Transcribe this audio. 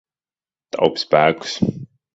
Taupi spēkus.